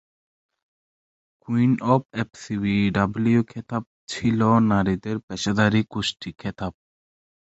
Queen of FCW খেতাব ছিল নারীদের পেশাদারি কুস্তি খেতাব।